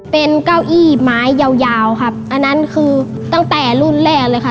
เป็นเก้าอี้ไม้ยาวยาวครับอันนั้นคือตั้งแต่รุ่นแรกเลยค่ะ